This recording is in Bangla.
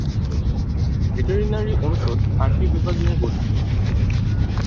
ভেটেরিনারি অনুষদ আটটি বিভাগ নিয়ে গঠিত।